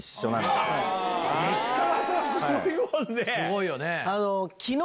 すごいよね。